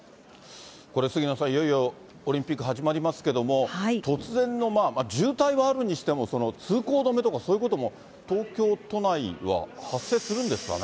これ杉野さん、いよいよオリンピック始まりますけれども、突然の、渋滞はあるにしても、通行止めとか、そういうことも、東京都内は発生するんですかね。